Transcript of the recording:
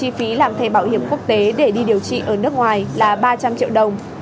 hào yêu cầu chi phí làm thầy bảo hiểm quốc tế để đi điều trị ở nước ngoài là ba trăm linh triệu đồng